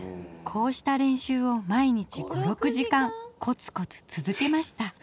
こうした練習を毎日５６時間コツコツ続けました。